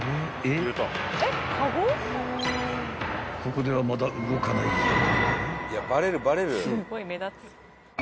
［ここではまだ動かないようよ］